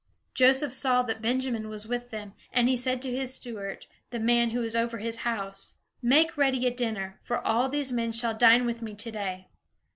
Joseph saw that Benjamin was with them, and he said to his steward, the man who was over his house: "Make ready a dinner, for all these men shall dine with me today."